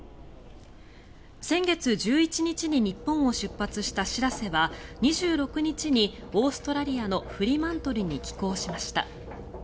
先月１１日に日本を出発した「しらせ」は２６日にオーストラリアのフリマントルに寄港しました。